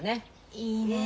いいねえ。